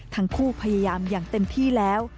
ทั้งคู่พยายามอย่างเต็มที่แล้ว